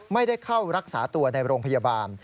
ไม่ได้เข้ารักษาตัวในโรงพยาบาล